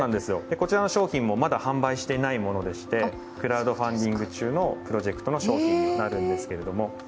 こちらの商品もまだ販売していないものでしてクラウドファンディング中のプロジェクトの商品になるんですけれども。